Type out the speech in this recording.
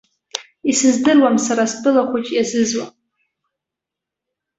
Исыздыруам сара стәыла хәыҷ иазызуа.